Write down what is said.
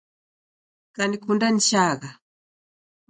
Kanikunda nichagha